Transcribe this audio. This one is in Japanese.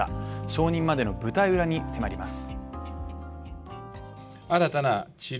承認までの舞台裏に迫ります。